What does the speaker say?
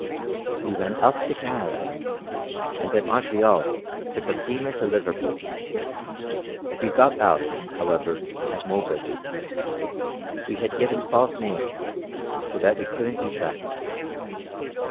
We ran up to Canada, and at Montreal took a steamer to Liverpool. We got out, however, at Moville. We had given false names, so that we couldn't be tracked."